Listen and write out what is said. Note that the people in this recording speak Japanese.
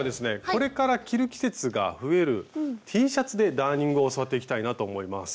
これから着る季節が増えるＴシャツでダーニングを教わっていきたいなと思います。